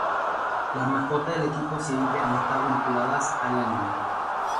Las mascotas del equipo siempre han estado vinculadas al anime.